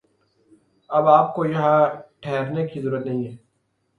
اب آپ کو یہاں ٹھہرنے کی ضرورت نہیں ہے